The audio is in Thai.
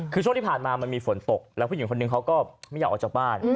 คือช่วงที่ผ่านมามันมีฝนตกแล้วผู้หญิงคนหนึ่งเขาก็ไม่อยากออกจากบ้าน